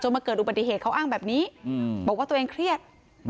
มาเกิดอุบัติเหตุเขาอ้างแบบนี้บอกว่าตัวเองเครียด